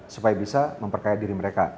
supaya bisa memperkaya diri mereka